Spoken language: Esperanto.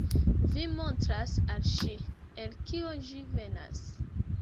Vi montras al ŝi, el kio ĝi venas.